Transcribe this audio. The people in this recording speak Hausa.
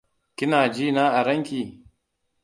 Kina jina a ranki?